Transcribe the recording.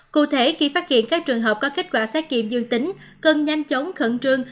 cụ thể khi phát hiện các trường hợp có kết quả xét nghiệm dương tính cần nhanh chóng khẩn trương